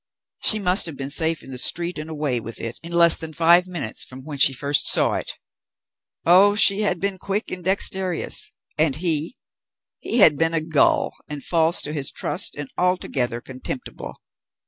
She must have been safe in the street and away with it, in less than five minutes from when she first saw it. Oh, she had been quick and dexterous! And he? He had been a gull, and false to his trust, and altogether contemptible.